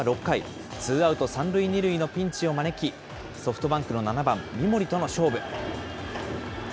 先発の小川は６回、ツーアウト３塁２塁のピンチを招き、ソフトバンクの７番三森との勝負。